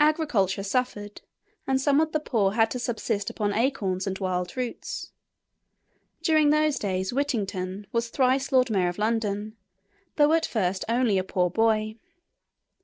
Agriculture suffered, and some of the poor had to subsist upon acorns and wild roots. During those days Whittington was thrice Lord Mayor of London, though at first only a poor boy.